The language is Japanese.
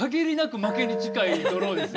負けに近いドローですよ。